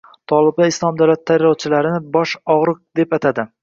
Toliblar “Islom davlati” terrorchilarini “bosh og‘riq” deb atadi